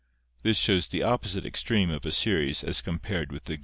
This shows the op posite extreme of a series as compared with the